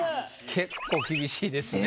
結構厳しいです。